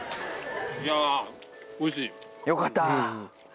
よかった！